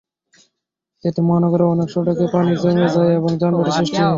এতে মহানগরের অনেক সড়কে পানি জমে যায় এবং যানজটের সৃষ্টি হয়।